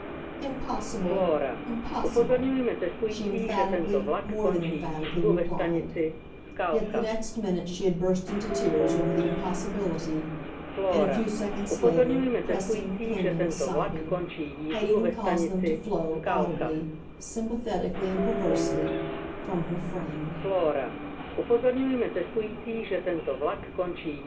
"Impossible, impossible," she emphatically, more than emphatically, replied; yet the next minute she had burst into tears over the impossibility, and a few seconds later, pressing, clinging, sobbing, had even caused them to flow, audibly, sympathetically and perversely, from her friend.